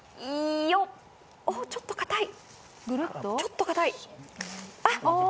お、ちょっとかたい。